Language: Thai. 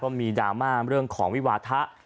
เพราะมีดราม่าเรื่องของวิวาธะ